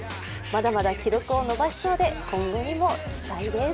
まだまだ記録を伸ばしそうで、今後にも期待です。